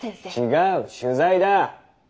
違う取材だッ。